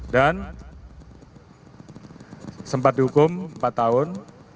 dan sempat dihukum empat tahun